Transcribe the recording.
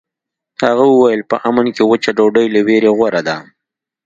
هغه وویل په امن کې وچه ډوډۍ له ویرې غوره ده.